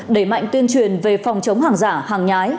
đẩy mạnh tuyên truyền về phòng chống hàng giả hàng nhái